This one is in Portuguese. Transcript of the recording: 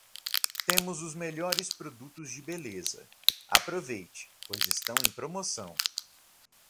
Temos os melhores produtos de beleza. Aproveite, pois estão em promoção.